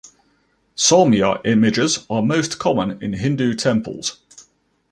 Saumya images are most common in Hindu temples.